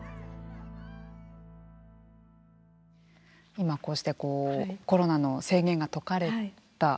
今こうしてコロナの制限が解かれた。